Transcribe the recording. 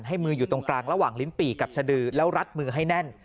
มืออยู่ตรงกลางระหว่างลิ้นปี่กับสดือแล้วรัดมือให้แน่น